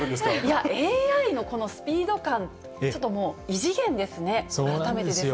いや、ＡＩのこのスピード感、ちょっともう異次元ですね、改めてですが。